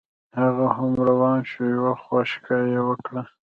هغه هم روان شو یوه خوشکه یې وکړه.